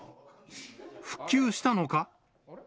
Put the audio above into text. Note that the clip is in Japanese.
復旧したのか？